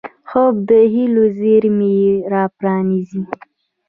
خوب د هیلو زېرمې راپرانيزي